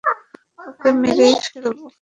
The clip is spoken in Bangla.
ওকে মেরেই ফেলব!